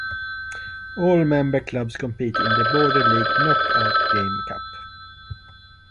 All member clubs compete in the Border League Knock-Out Cup.